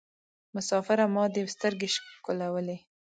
مسافره ما دي سترګي شکولولې